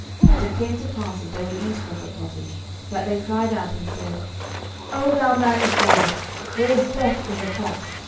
And it came to pass, as they were eating of the pottage, that they cried out, and said, O thou man of God, there is death in the pot.